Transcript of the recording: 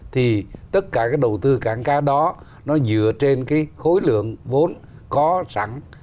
thì tất cả cái đầu tư cảng cá đó nó dựa trên cái khối lượng vốn có sẵn